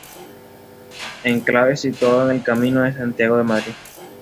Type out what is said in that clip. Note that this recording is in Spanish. Enclave situado en el Camino de Santiago de Madrid.